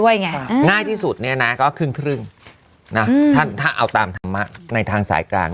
อย่างนี้ที่ที่สุดนะก็ครึ่งถ้าเอาตามธรรมะในทางสายกลาง